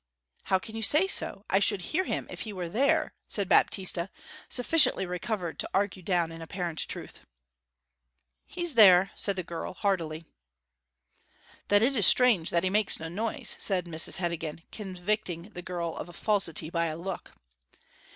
'How can you say so? I should hear him if he were there,' said Baptista, sufficiently recovered to argue down an apparent untruth. 'He's there,' said the girl, hardily. 'Then it is strange that he makes no noise,' said Mrs Heddegan, convicting the girl of falsity by a look.